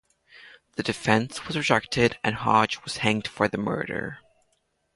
The defence was rejected and Hodge was hanged for the murder.